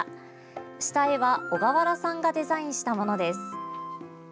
下絵は小河原さんがデザインしたものです。